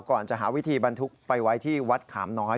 ก่อนจะหาวิธีบรรทุกไปไว้ที่วัดขามน้อย